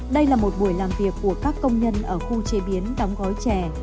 đây là một buổi làm việc của các công nhân ở khu chế biến đóng gói chè